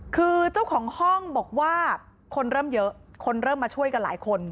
คือเจ้าของห้องบอกว่าคนเริ่มเยอะคนเริ่มมาช่วยกันหลายคน